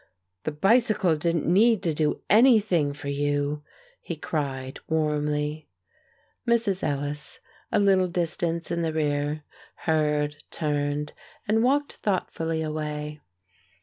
"The bicycle didn't need to do anything for you!" he cried, warmly. Mrs. Ellis, a little distance in the rear, heard, turned, and walked thoughtfully away.